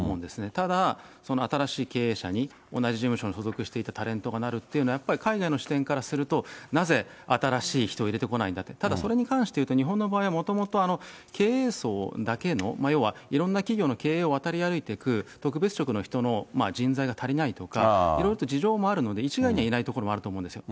ただ新しい経営者に同じ事務所に所属していたタレントがなるっていうのは、やっぱり海外の視点からすると、なぜ新しい人を入れてこないんだって、ただそれに関して言うと、日本の場合、もともと経営層だけの要はいろんな企業の経営を渡り歩いていく特別職の人の人材が足りないとか、いろいろと事情もあるので、一概には言えないところもあると思うんですよ。